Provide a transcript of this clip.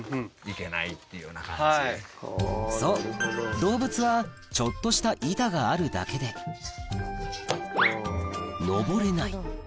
そう動物はちょっとした板があるだけで登れない